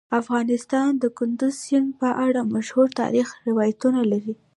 افغانستان د کندز سیند په اړه مشهور تاریخی روایتونه لري.